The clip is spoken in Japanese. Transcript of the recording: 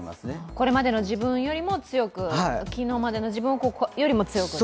これまでの自分よりも強く、昨日までの自分より強くと。